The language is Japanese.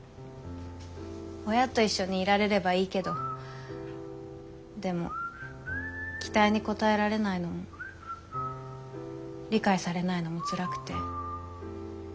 親と一緒にいられればいいけどでも期待に応えられないのも理解されないのもつらくて。